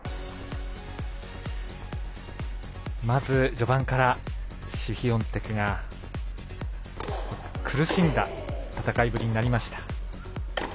まず、序盤からシフィオンテクが苦しんだ戦いぶりになりました。